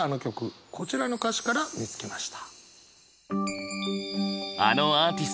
こちらの歌詞から見つけました。